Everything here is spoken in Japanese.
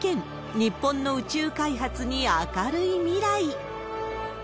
日本の宇宙開発に明るい未来。